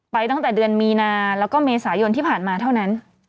ตั้งแต่เดือนมีนาแล้วก็เมษายนที่ผ่านมาเท่านั้น